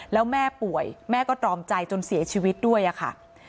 แล้วแม่ป่วยแม่ก็ตรอมใจจนเสียชีวิตด้วยค่ะ